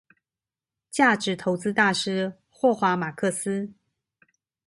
價值投資大師霍華馬克斯